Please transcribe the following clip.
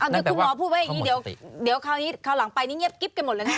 คุณหมอพูดไปอย่างนี้เดี๋ยวเขาหลังไปนิเงียบกิ๊บกันหมดแล้วนะ